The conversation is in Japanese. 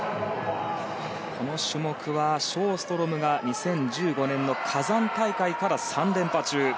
この種目はショーストロムが２０１５年のカザン大会から３連覇中。